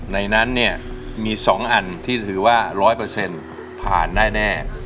ในนั้นเนี่ยมีสองอันที่ถือว่าร้อยเปอร์เซ็นต์ผ่านได้แน่